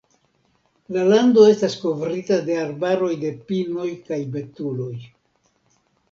La lando estas kovrita de arbaroj de pinoj kaj betuloj.